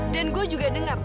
dan gue juga denger